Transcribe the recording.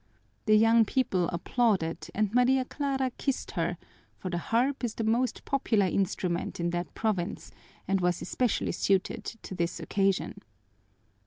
The young people applauded and Maria Clara kissed her, for the harp is the most popular instrument in that province, and was especially suited to this occasion.